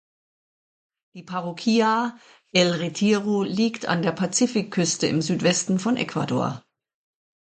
Die Parroquia El Retiro liegt an der Pazifikküste im Südwesten von Ecuador.